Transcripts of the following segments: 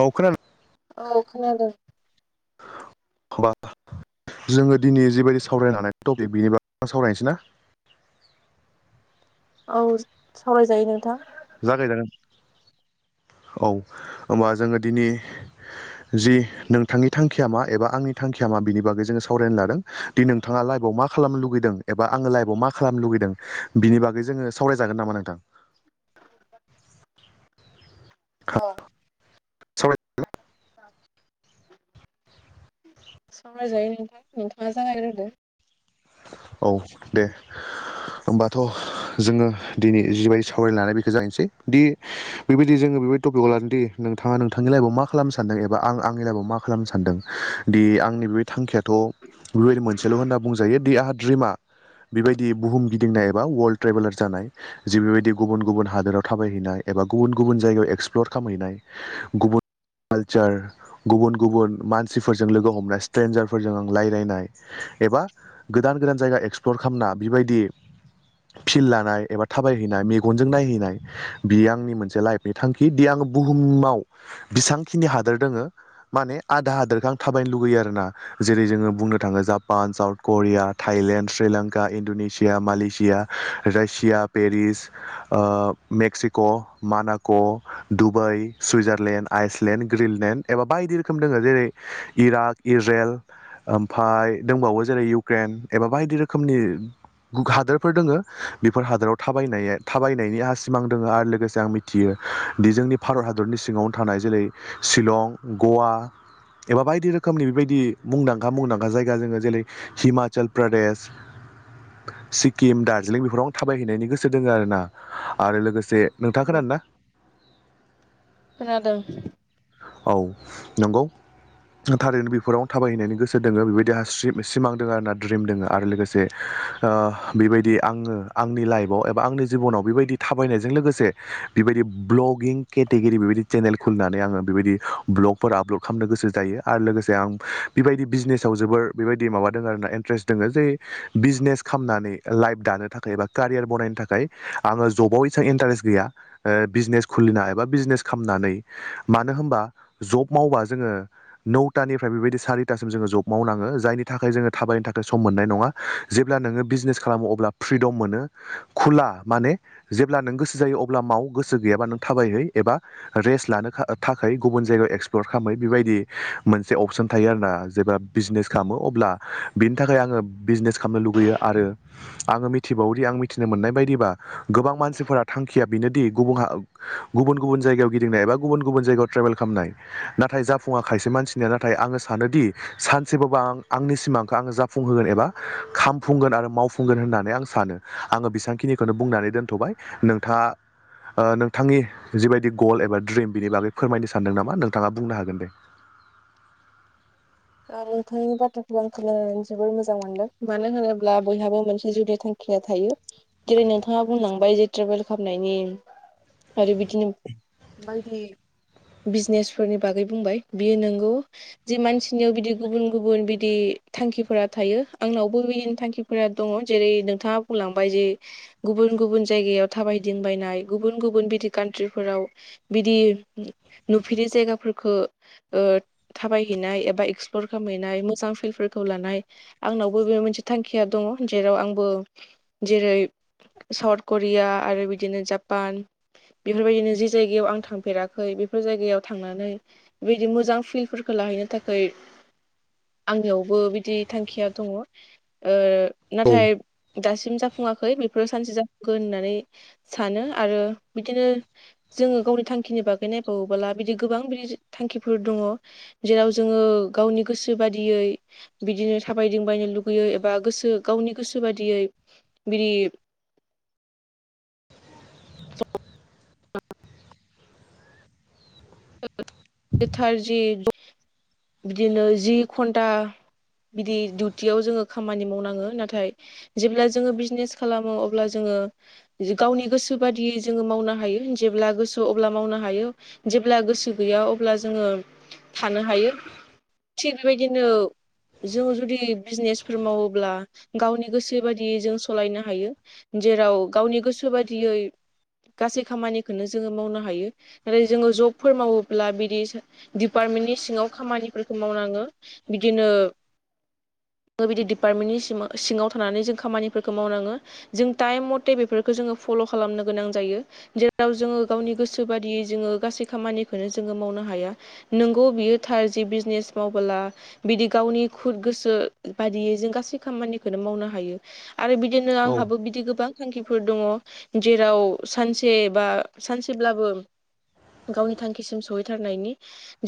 औ खोनादों औ खोनादों [unintelligible] जोङो दिनै जिबायदि सावरायनो हानाय टपिक बेनि बागै सावरायनोसै ना औ सावरायजायो नोंथां जागायजागोन औ होनबा जोङो दिनै जि नोंथांनि थांखिया मा एबा आंनि थांखिया मा बिनि बागै जोङो सावरायनो लादों दि नोंथाङा लाइभाव मा खालामनो लुगैदों एबा आङो लाइभाव मा खालामनो लुगैदों बिनि बागै जोङो सावरायजागोन नामा नोंथां? अ सावरायजागोन सावरायजायो नोंथां नोंथाङा जागायग्रोदो औ दे ओमबाथ' जोङो दिनै जिबायदि सावरायनो लानाय बेखो जागायनोसै दि बेबायदि जोङो बेबायदि टपिकखौ लादोंदि नोंथाङा नोंथांनि लाइफआव मा खालामनो सानदों एबा आं आंनि लाइफआव मा खालामनो सानदों दि आंनि बेबायदि थांखियाथ' बेबायदि मोनसेल' होनना बुंजायो दि आंहा द्रिमा बेबायदि बुहुम गिदिंनाय एबा वर्ल्ड ट्रेभेलार जानाय जि बेबायदि गुबुन गुबुन हादोराव थाबायहैनाय एबा गुबुन गुबुन जायगायाव एक्सप्लर खामहैनाय गुबुन कालचार गुबुन गुबुन मानसिफोरजों लोगो हमनाय स्ट्रेन्जारफोरजों आं रायज्लायनाय एबा गोदान गोदान जायगा एक्सप्लर खालामना बेबायदि फिल लानाय एबा थाबायहैनाय मेगनजों नायहैनाय बेयो आंनि मोनसे लाइफनि थांखि दि आं बुहुमाव बिसांखिनि हादोर दोङो माने आधा हादोरखो आं थाबायनो लुगैयो आरोना जेरै जोङो बुंनो थाङो Japan South Korea Thailand Sri Lanka Indonesia Malaysia Russia Paris ओ मेक्सिक' मानाक' दुबाइ सुइजारलेण्ड आइसलेण्ड ग्रिनलेण्ड एबा बायदि रोखोमनि दोङो जेरै इराक इज्रेल ओमफाय दोंबावो जेरै इउक्रेन एबा बायदि रोखोमनि हादोरफोर दोङो बेफोर हादोराव थाबायनाय थाबायनायनि आंहा सिमां दोङो आरो लोगोसे आं मि थियो दि जोंनि भारत हादरनि सिङावनो थानाय जेरै शिलं गवा एबा बायदि रोखोमनि बेबायदि मुंदांखा मुंदांखा जायगा जोङो जेरै हिमा चल प्रदेश सिक्किम दार्जिलिं बेफोराव आं थाबायहैनायनि गोसो दोङो आरोना आरो लोगोसे नोंथाङा औ खोनादो ना? खोनादों। ओ औ नंगौ थारैनो बेफोराव आं थाबायहैनायनि गोसो दोङो बेबायदि आंहा सि-सिमां दोङो आरोना द्रिम दोङो आरो लोगोसे ओ बेबायदि आङो आंनि लाइफआव एबा आंनि जिबनाव बेबायदि थाबायनायजों लोगोसे बेबायदि ब्लगिं केटेगरि बेबायदि चेनेल खुलिनानै आङो बेबायदि ब्ल'ग फोर आपल'ड खालामनो गोसो जायो आरो लोगोसे आं बेबायदि बिजनेसाव जोबोर बेबायदि माबादोङो आरोना इन्ट्रेस्ट दोङो जे बिजनेस खामनानै लाइफ दानो थाखाय एबा कारियार बनायनो थाखाय आङो जबाव एसां इन्टारेस्ट गैया ओ बिजनेस खुलिना एबा बिजनेस खामनानै मानो होमबा जब मावबाबो नौथानिफ्राय बेबायदि सारिथासिम जोङो जब मावनाङो जायनि थाखाय जोङो थाबायनो थाखाय था सम मोननाय नङा जेब्ला नोङो बिजनेस खालामो अब्ला फ्रिदम मोनो खुला माने जेब्ला नों गोसो जायो अब्ला माव गोसो गैयाबा नों थाबायहै एबा रेस्ट लानो ओ थाखाय गुबुन जायगायाव एक्सप्लर खामहै बेबायदि मोनसे अपसन थायो आरोना जेब्ला। बिजनेस खामो अब्ला बिनि थाखाय आङो बिजनेस खामनो लुगैयो आरो। आङो मिथिबावोदि आं मिथिनो मोननाय बायदिबा गोबां मानसिफोरा थांखिया बेनोदि गुबुह आ ओ गुबुन गुबुन जायगायाव गिदिंनाय एबा गुबुन गुबुन जायगायाव ट्रेभेल खामनाय नाथाय जाफुङा खायसे मानसिनिया नाथाय आङो सानोदि सानसेबाबा आं आंनि सिमां आङो जाफुंहोगोन एबा खामफुंगोन आरो मावफुंगोन होननानै आं सानो आङो बिसांखिनि ओ खोनो बुंनानै दोनथ'बाय नोंथाङा ओ नोंथांनि जिबायदि गल एबा ड्रिम बिनि बागै फोरमायनो सानदों नामा नोंथाङा बुंनो हागोन दे। आरो नोंथांनि बाथ्राखौ आं खोनानानै जोबोर मोजां मोनदों मानो होनोब्ला बयहाबो मोनसे जुदि थां खिया थायो जेरै नोंथाङा बुंलांबाय जे ट्रेभेल खामनायनि आरो बिदिनो बायदि बिजनेसफोरनि बागै बुंबाय बियो नंगौ जि मानसि आनियाव बिदि गुबुन गुबुन बिदि थांखिफोरा थायो आंनावबो बिदिनो थांखिफोरा दङ जेरै नोंथाङा ओ बुंलांबाय जि गुबुन गुबुन जायगायाव थाबायदिंबायनाय गुबुन गुबुन बिदि कान्ट्रिफोराव बिदि नुफेरि जायगाफोरखो ओ थाबायहैनाय ए बा एक्सप्लर खालामैनाय मोजां फिल्डफोरखौ लानाया आंनावबो बे मोनसे थांखिया दङ जेराव आंबो जेरै साउथ करिया आरो बिदिनो जापान। बेफोरबायदिनो जि जायगायाव आं थांफेराखै बेफोर जायगायाव थांनानै बेदि मोजां फिलफोरखौ लाहैनो थाखाय खै आंनियावबो बिदि थांखिया दङ ओ औ नाथाय दासिम जाफुङाखै बेफोरो सानसे जाफुंगोन होननानै सानो आरो बिदिनो जोङो गावनि थांखिनि बागै नायबावोबला बिदि गोबां बिदि थांखिफोर दङ जेरा जोङो गावनि गोसो बादियै बिदिनो थाबायदिबायनो लुगैयोै एबा गोसो गावनि ओ गोसो बादियै बिदि [unintelligible] बिदि उटियाव जोङो खामानि मावनाङो नाथाय। जेब्ला जोङो बिजनेस खालामो अब्ला जोङो जि गावनि गोसो बादियै जोङो मावनो हायो जेब्ला गोसो अब्ला मावनो हायो जेब्ला गोसो गैया अब्ला जोङो थानो हायो थिग बेबादिनो जों जुदि बिजनेसफोर मावोब्ला गावनि गोसो बादायदियै जों सालायनो हायो। जेराव गावनि गोसो बायदियै गासै खामानिखौनो जोङो मावनो हायो नाथाय जोङो जब फोर मावोब्ला बिदि डपार्टमेन्टनि सिङाव खामानिफोरखौ मावनाङो बिदिनो बिदि डिपार्टमेन्टनि सि सिङाव थानानै जों खामानिफोरखौ मावनाङो। जों टाइम मथे बेफोरखौ जोङो फल' खालामनो गोनां जायो। जेराव जोङो गावनि गोसो बादियै जोङो गासैब खामानिखौननो जोङो मावनो हाया नोंगौ बियो थार जि बिजनेस मावबोला बिदि गावनि खुद गोसो बायदियै जों गासै खामानिखौनो मावनो हायो। आरो बिदिनो औ आंहाबो बिदि गोबां थांखिफोर दङ जेराव सानसे बा सानसेब्लाबो गावनि थांखिसिम सहैथारनायनि।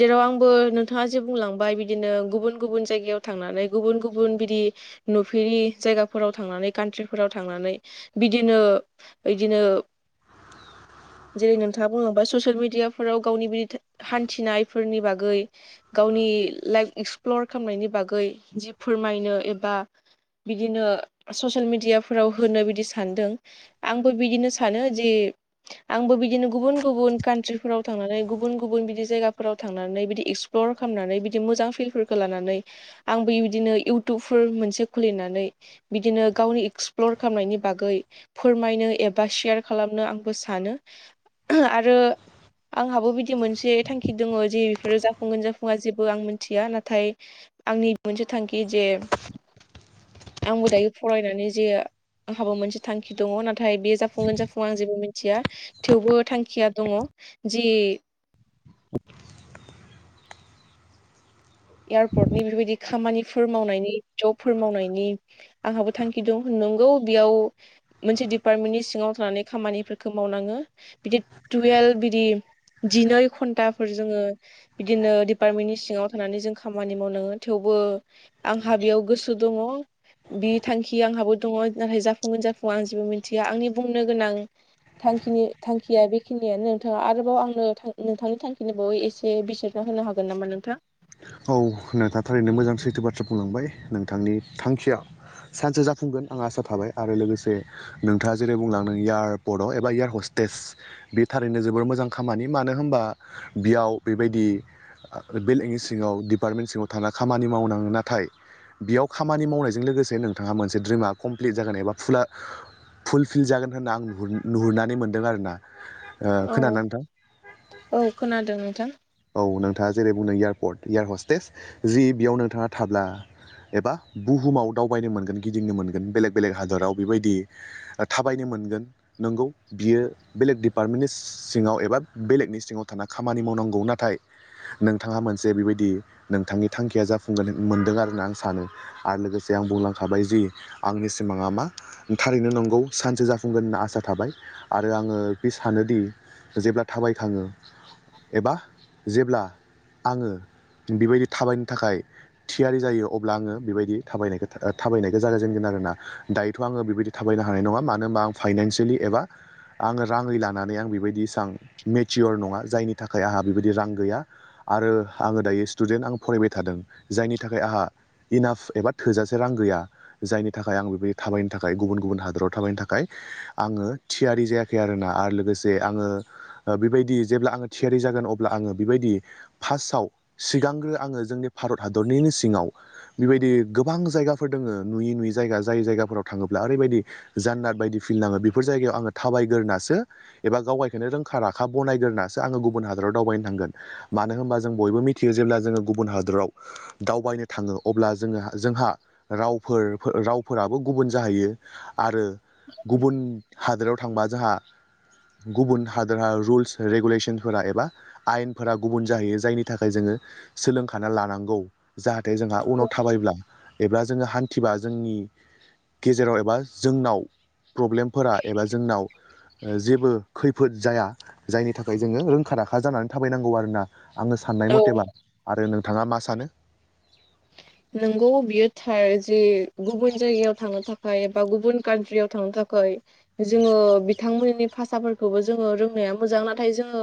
जेराव आंबो नोंथाङा जे बुंलांबाय बिदिनो गुबुन गुबुन जायगायाव थांनानै गुबुन गुबुन बिदि नुफेरि जायगाफोराव थांनानै कान्ट्रिफोराव थांनानै बिदिनो बिदिनो जेरै नोंथाङा बुलांबाय ससियेल मिडिया दियाफोराव गावनि बिदि हान्थिनायफोरनि बागै गावनि लाइफ एक्सप्लर खालामनायनि बागै जि फोरमायनो एबा बिदिनो ससियेल मेडियाफोराव होनो बिदि सानदों आंबो बिदिनो सानो जे आंबो बिदिनो गुबुन गुबुन कान्ट्रि फोराव थांनानै गुबुन गुबुन बिदि जायगाफोराव थांनानै बिदि एक्सप्लर खालामनानै बिदि मोजां फिलफोरखौ लानानै आंबो बिबायदिनो इउटुबफोर मोनसे खुलिनानै बिदिनो गावनि एक्सप्लर खालामनायनि बागै फोरमायनो एबा शयार खालामनो आंबो सानो आरो आंहाबो बिदि मोनसे थांखि दङ जे बेफोरो जाफुंगोन जाफुङा जेबो आं मिथिया नाथाय। आंनि मोनसे थांखि जे आंबो दायो फरायनानै जे आंहाबो मोनसे थांखि दङ नाथाय बे जाफुंगोन जाफुंङा आं जेबो मिथिया। थेवबो थांखिया दङ जि [inaudible] एयारपर्टनि बेबायदि खामानिफोर मावनायनि जबफोर मावनायनि आंहाबो थांखि दं नंगौ बेयाव मोनसे डिपार्टमेन्टनि सिङाव थानानै खामानिफोरखौ मावनाङो बिदि दुवेल बिदि जिनै घन्टाफोर जोङो बिदिनो दिडपार्टमेन्टनि सिङाव थानानै जों खामानि मावनाङो थेवबो आंहा बेयाव गोसो दङ। बि थांखि आंहाबो दङ नाथाय जाफुंगोन जाफुंङा आं जेबो मिथिया। आंनि बुंनो गोनां थांखिनि थांखिया बेखिनियानो नोंथां आरोबाव आंनो नोंथांनि थांखिनि बागै एसे बिजिरना होनो हागोन नामा नोंथां? औ नोंथाङा थारैनो मोजां सैथो बाथ्रा बुंलांबाय नोंथांनि थांखिया। सानसे जाफुंगोन आं आसा थाबाय आरो लोगोसे नोंथाङा जेरै बुंलांदों एयारपर्टआव एबा एयार हस्टेस बेटारिनो जोबोर मोजां खामानि मानो होनबा बेयाव बेबायदि बेलकनि सिङाव डिपार्टमेन्ट सिङाव थानानै खामानि मावनाङो नाथाय बेयाव खामानि मावनायजों लोगोसे नोंथाङा मोनसे ड्रिमा कमप्लिट जागोन एबा फुला फुलफिल जागोन होनना आं नुहुरनानै मोनदों आरोना। औ खोनादों ना नोंथां औ खोनादों नोंथां औ नोंथाङा जेरै बुंदों‌ इयार इयार हस्टेस जि बेयाव नोंथाङा थाब्ला एबा बुहुमाव दावबायनो मोनगोन गिदिंनो मोनगोन बेलेग बेलेग हादराव बेबायदि थाबायनो मोनगोन नंगौ। बियो बेलेग दिडिपार्टमेन्टनि सिङाव एबा बेलेगनि सिङाव थाना खामानि मावनांगौ नाथाय। नोंथाङा मोनसे बेबायदि नोंथांनि थांखिया जाफुंगोन मोनदों आरोना आं सानो। आरो लोगोसे आं बुंलांखाबाय जि आंनि सिमाङा मा थारैनो नंगौ सानसे जाफुंगोन होनना आसा थाबाय आरो आङो बे सानोदि जेब्ला थाबायखाङो एबा जेब्ला आङो बेबायदि थाबायनो थाखाय थियारि जायो अब्ला आङो बेबायदि थाबायनायखौ थाबायनायखौ जागायजेनगोन आरोना। दायोथ' आङो बेबायदि थाबायनो हानाय नङा मानो होनबा आं फाइनान्सियेलि एबा आङो राङै लानानै आं बेबायदि एसां मेचयर नङा जायनि थाखाय आंहा बेबायदि रां गैया। आरो आङो दायो स्टुडेन्ट आं फरायबाय थादों जायनि थाखाय आंहा इनाघ एबा थोजासे रां गैया। जायनि थाखाय आं बेबायदि थाबायनो थाखाय गुबुन गुबुन हादोराव थाबायनो थाखाय आङो थियारि जायाखै आरोना आरो लोगोसे आङो बेबायदि जेब्ला आङो थियारि जागोन अब्ला आङो बेबायदि फार्स्टआव सिगांग्रो आङो जोंनि भारत हादरनिनो सिङाव बेबायदि गोबां जायगाफोर दोङो नुयि नुयै जायगा जाय जायगाफोराव थाङोब्ला ओरैबायदि जाननाार बायदि फिल्ड नाङो बेफोर जायगायाव आङो थाबायग्रोननासो एबा गावबायखौननो रोंखा राखा बनायग्रोनासो आङो गुबुन हादराव दावबायनो थांगोन मानो मानो होनबा जों बयबो मिथियो जेब्ला जोङो गुबुन हादराव। दावबायनो थाङो अब्ला जोङो जोंहा रावफोर रावफोराबो गुबुन जाहैयो। ओ आरो गुबुन हादोराव थांबा जोंहा गुबुन हादोरहा रुल्स रेगुलेसनफोरा एबा आयेनफोरा ओ गुबुन जाहैयो जायनि थाखाय जोङो सोलोंखाना लानांगौ। जाहाथे जोंहा उनाव थाबायब्ला एबा जोङो हान्थिबा जोंनि गेजेराव एबा जोंनाव प्रब्लेमफोरा एबा जोंनाव जेबो खैफोद जाया जायनि थाखाय जोङो रोंखा राखा जानानै थाबायनांगौ आरो। आङो साननाय औ मथेबा आरो नोंथाङा मा सानो? नोंगौ बियो थार जे गुबुन जायगायाव थांनो थाखाय बा गुबुन कान्ट्रियाव थांनो थाखाय जोङो बिथांमोननि भाषाफोरखौ। खौबो जोङो रोंनाया मोजां नाथाय जोङो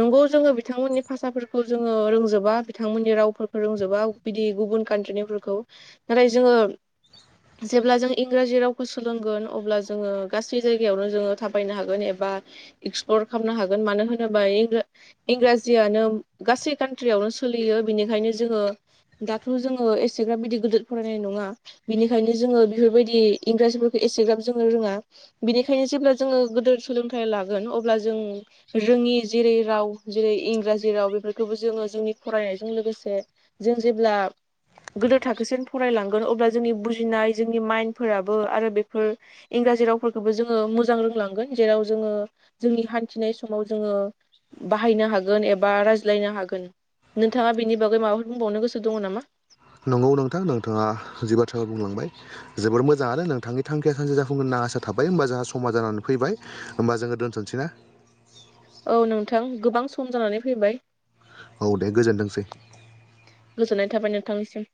नंगौ जोङो बिथांमोननि भाषाफोरखौ जोङो रोंजोबा बिथांमोननि रावफोरखौ रोंजोबा बिदि गुबुन ओकान्ट्रिनिफोरखौ नाथाय जोङो जेब्ला जों इंराजि रावखौ सोलोंगोन अब्ला जोङो गासै जायगायावनो जोङो थाबायनो हागोन एबाअ एक्सप्लर खालामनो हागोन मानो होनोबा इ इंराजियानो गासै कान्ट्रियावनो सोलियो बिनिखायनो जोङो। थ' जोङो एसेग्रा बिदि गिदिर फरायनाय नङा। बिनिखायनो जोङो बेफोरबायदि इंराजिफोरखौ एसेग्राब जोङो रोङा बिनिखायनो जेब्ला जोङो गोदो सोलोंथाइ लागोन अब्ला जों रोङि जेरै राव जेरै इंराजि राव बेफोरखौबो जोङो जोंनि फरायनायजों लोगोसे जों जेब्ला। गोदो थाखोसिम फरायलांगोन अब्ला जोंनि बुजिनाय जोंनि माइन्न्दफोराबो आरो बेफो इंराजि रावफोरखौबो जोङो मोजां रोंलांगोन जेराव जोङो। जोंनि हान्थिनाय समाव जोङो बाहायनो हागोन एबा रायज्लायनो हागोन नोंथाङा बेनि बागै माबाफोर बुंबावनो गोसो दङ नामा? नंगौ नोंथां नोंथाङा जि बाथ्रा बुंलांबाय जोबोर मोजां आरो नोंथांनि थांखिया सानसे जाफुंगोन ना आसा थाबाय होमबा जोंहा समाज जानानै फैबाय होमबा जोङो दोनथनोसैना? औ नोंथां गोबां सम जानानै फैबाइ औ दे गोजोनथोंसै। गोजोननाय थाबाय नोंथांनिसिम।